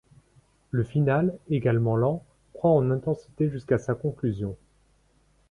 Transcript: Le finale, également lent, croît en intensité jusqu'à sa conclusion.